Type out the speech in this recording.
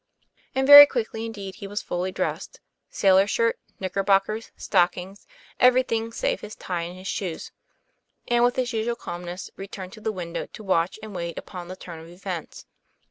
And very quickly indeed, he was fully dressed sailor shirt, knickerbockers, stockings, everything save his tie and his shoes and, with his usual calm ness, returned to the window to watch and wait upon the turn of events.